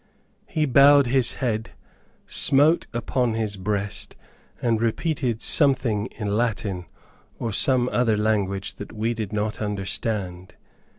He bowed his head, smote upon his breast, and repeated something in latin, or some other language, that we did not understand.